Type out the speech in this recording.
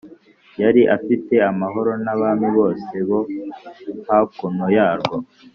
Yari afite amahoro n’abami bose bo hakuno yarwo